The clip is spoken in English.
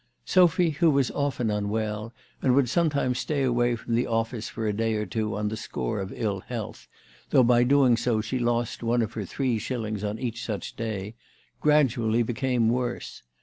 Sophy, who was often unwell, and would sometimes stay away from the office for a day or two on the score of ill health, though by doing so she lost one of her three shillings on each such day, gradually became worse.